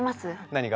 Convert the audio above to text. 何が？